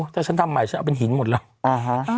ถ้าฉันทำใหม่จะเป็นหินหมดล็อค